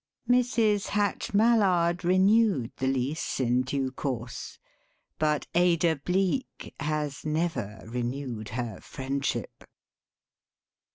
Mrs. Hatch Mallard renewed the lease in due course, but Ada Bleek has never renewed her friendship.